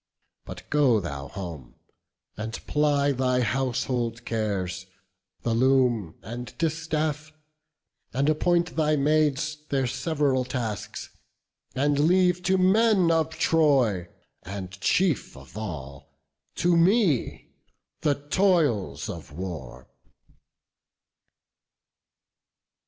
But go thou home, and ply thy household cares, The loom, and distaff, and appoint thy maids Their sev'ral tasks; and leave to men of Troy And, chief of all to me, the toils of war."